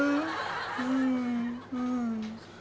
うんうん。